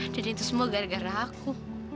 dan itu semua gara gara aku